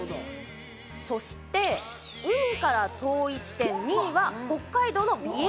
そして、海から遠い地点２位は北海道の美瑛岳。